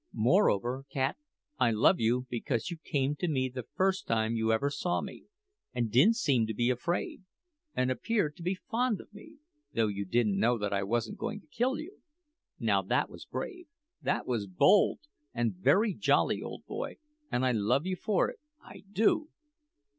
Moreover, cat, I love you because you came to me the first time you ever saw me, and didn't seem to be afraid, and appeared to be fond of me, though you didn't know that I wasn't going to kill you. Now that was brave, that was bold, and very jolly, old boy, and I love you for it I do!"